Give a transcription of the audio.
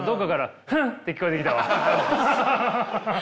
ハハハッ。